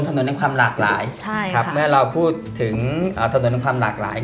ถนนสี่โล่งถนนในความหลากหลาย